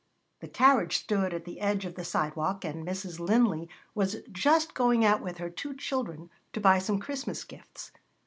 The carriage stood at the edge of the sidewalk, and Mrs. Linley was just going out with her two children to buy some Christmas gifts.